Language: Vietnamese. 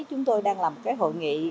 chúng tôi đang làm cái hội nghị